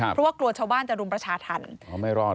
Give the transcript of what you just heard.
เพราะว่ากลัวชาวบ้านจะรุมประชาธรรม